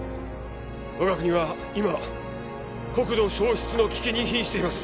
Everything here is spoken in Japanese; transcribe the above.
我が国は今国土消失の危機に瀕しています